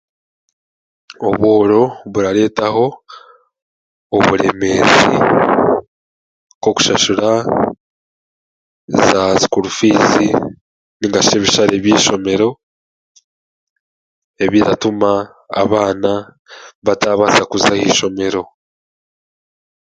Obworo buraareetaho oburemeezi nk'okushashura za sikuuru fiizi nainga shi ebishare by'eishomero ebiratuma abaana baabaasa kuza ah'eishomero